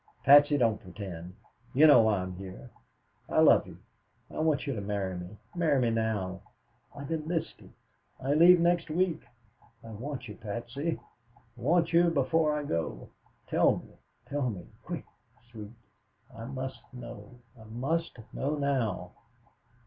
"Patsy, don't pretend. You know why I'm here. I love you. I want you to marry me, marry me now. I've enlisted. I leave next week. I want you, Patsy; want you before I go. Tell me, tell me, quick, Sweet I must know, I must know now."